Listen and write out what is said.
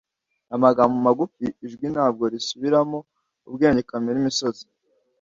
amagambo magufi ijwi ntabwo risubiramo ubwenge kamere imisozi